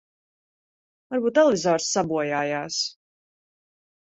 Varbūt televizors sabojājās.